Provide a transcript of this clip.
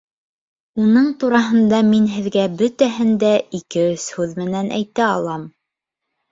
Уның тураһында мин һеҙгә бөтәһен дә ике-өс һүҙ менән әйтә алам.